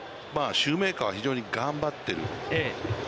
シューメーカーは非常に頑張ってる。